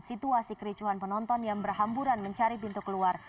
situasi kericuhan penonton yang berhamburan mencari pintu keluar